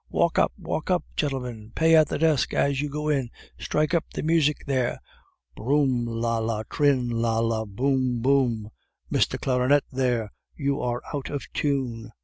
Walk up! walk up! gentlemen! Pay at the desk as you go in! Strike up the music there! Brooum, la, la, trinn! la, la, boum! boum! Mister Clarinette, there you are out of tune!"